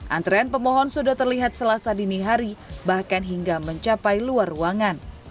antrean pemohon sudah terlihat selasa dini hari bahkan hingga mencapai luar ruangan